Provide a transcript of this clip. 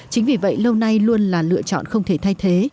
chính vì vậy lâu nay luôn là lựa chọn không thể thay thế